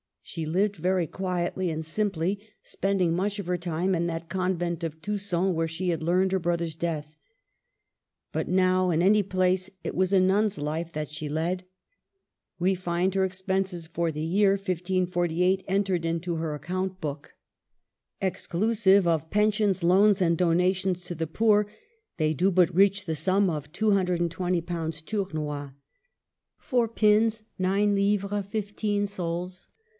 She lived very quietly and simply, spending much of her time in that convent of Tusson where she had learned her brother's death. But now, in any place, it was a nun's life that she led. We find her expenses for the year 1548 entered in her account book; exclusive of pensions, loans, and donations to the poor, they do but reach the sum of ;^220 Tournois :— For pins, nine livres, 15 sols.